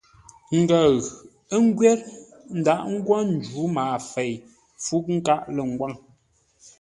Ngəʉ ə́ ngwér ńdaghʼ ńgwó ńjǔ maafei-fú-nkâʼ-lə̂-ngwâŋ.